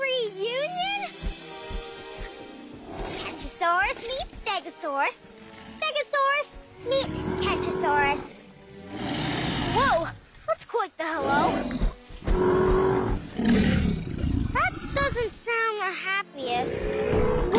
うわ！